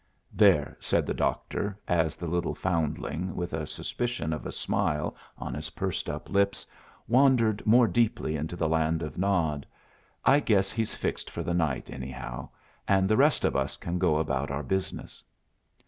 "There," said the doctor, as the little foundling, with a suspicion of a smile on his pursed up lips, wandered more deeply into the land of Nod. "I guess he's fixed for the night, anyhow, and the rest of us can go about our business."